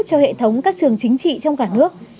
cho hệ thống các trường chính trị trong cả nước